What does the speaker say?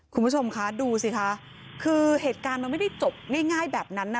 คุณผู้ชมคะดูสิคะคือเหตุการณ์มันไม่ได้จบง่ายแบบนั้นนะ